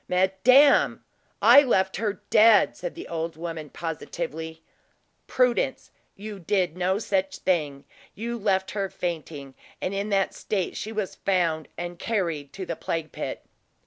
"Madame, I left her dead!" said the old woman positively. "Prudence, you did no such thing; you left her fainting, and in that state she was found and carried to the plague pit."